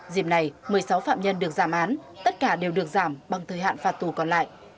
dịp này một mươi sáu phạm nhân được giảm án tất cả đều được giảm bằng thời hạn phạt tù còn lại